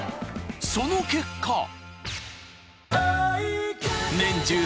［その結果］